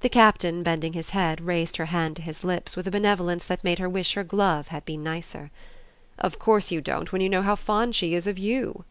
The Captain, bending his head, raised her hand to his lips with a benevolence that made her wish her glove had been nicer. "Of course you don't when you know how fond she is of YOU."